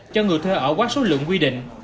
cho người thuê ở quá số lượng quy định